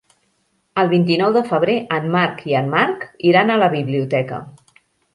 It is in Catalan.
El vint-i-nou de febrer en Marc i en Marc iran a la biblioteca.